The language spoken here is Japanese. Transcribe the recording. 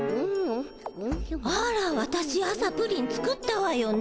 あら私朝プリン作ったわよね。